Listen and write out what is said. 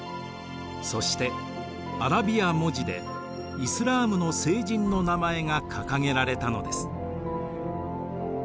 そしてアラビア文字でイスラームの聖人の名前が掲げられたのです。